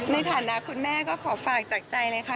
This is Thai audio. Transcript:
ในฐานะคุณแม่ก็ขอฝากจากใจเลยค่ะ